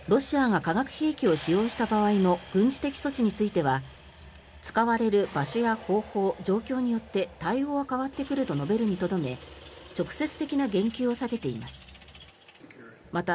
ロシアが化学兵器を使用した場合の軍事的措置については使われる場所や方法、状況によって対応が変わってくると述べるにとどめ直接的な言及を避けています。